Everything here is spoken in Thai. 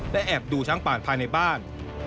และแอบดูช้างป่าภายในบ้าน